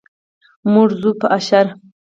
موږ ځو په اشر.